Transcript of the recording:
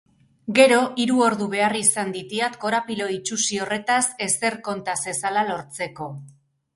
Gero hiru ordu behar izan ditiat korapilo itsusi horretaz ezer konta zezala lortzeko.